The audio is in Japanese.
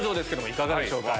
いかがでしょうか？